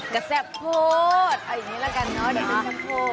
กระแสพูดเอาอย่างนี้ละกันเนาะ